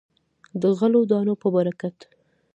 د غلو دانو په برکت.